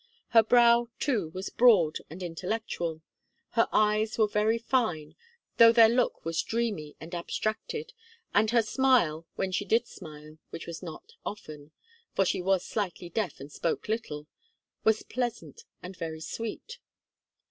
Her brow, too, was broad and intellectual; her eyes were very fine, though their look was dreamy and abstracted; and her smile, when she did smile, which was not often, for she was slightly deaf and spoke little, was pleasant and very sweet.